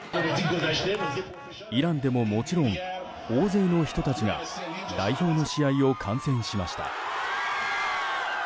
イランでももちろん大勢の人たちが代表の試合を観戦しました。